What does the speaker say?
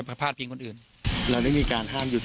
ลุงพลบอกว่ามันก็เป็นการทำความเข้าใจกันมากกว่าเดี๋ยวลองฟังดูค่ะ